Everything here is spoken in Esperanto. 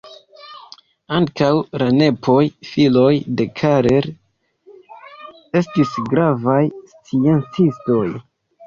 Ankaŭ la nepoj, filoj de Karel, estis gravaj sciencistoj.